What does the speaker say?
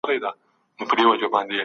سياسي قدرت په اصل کي د خلګو امانت دی.